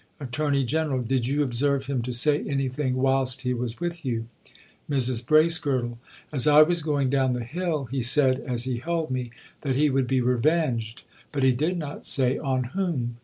"ATTORNEY GENERAL: 'Did you observe him to say anything whilst he was with you?' "MRS BRACEGIRDLE: 'As I was going down the hill he said, as he held me, that he would be revenged, but he did not say on whom.